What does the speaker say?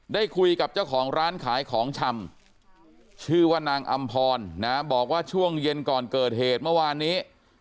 ได้คุยกับเจ้าของร้านขายของชำชื่อว่านางอำพรนะบอกว่าช่วงเย็นก่อนเกิดเหตุเมื่อวานนี้